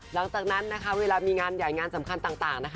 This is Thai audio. หลังจากนั้นเวลามีงานใหญ่งานสำคัญต่าง